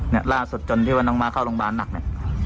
เนี่ยล่าสุดจนที่ว่าน้องม้าเข้าโรงพยาบาลหนักเนี่ย